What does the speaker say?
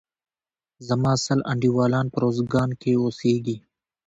زما سل انډيوالان په روزګان کښي اوسيږي.